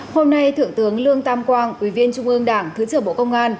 hôm nay thượng tướng lương tam quang ủy viên trung ương đảng thứ trưởng bộ công an